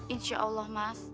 insya allah mas